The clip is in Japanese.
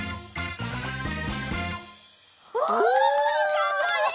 かっこいい！